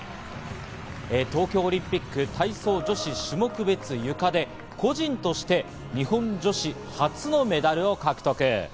東京オリンピック体操女子種目別ゆかで、個人として日本女子初のメダルを獲得。